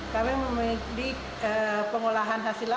kami memiliki pengolahan hasil